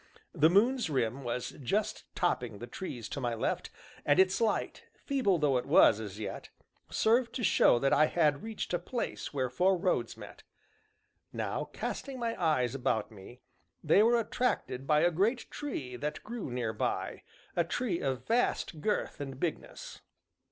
The moon's rim was just topping the trees to my left, and its light, feeble though it was as yet, served to show that I had reached a place where four roads met. Now, casting my eyes about me, they were attracted by a great tree that grew near by, a tree of vast girth and bigness.